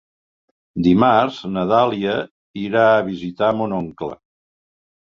Dimarts na Dàlia irà a visitar mon oncle.